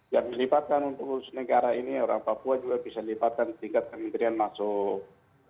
yang melibatkan pengurus negara ini orang papua juga bisa lipatkan tingkat kementerian masuk